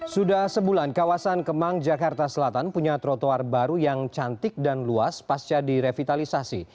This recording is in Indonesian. sudah sebulan kawasan kemang jakarta selatan punya trotoar baru yang cantik dan luas pasca direvitalisasi